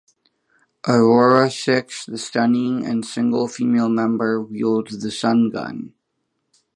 Aurora Six the stunning and single female member wields the Sun Gun.